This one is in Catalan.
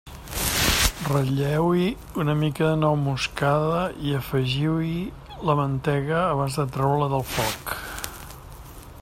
Ratlleu-hi una mica de nou moscada i afegiu-hi la mantega abans de treure-la del foc.